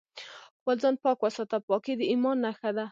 خپل ځان پاک وساته ، پاکي د ايمان نښه ده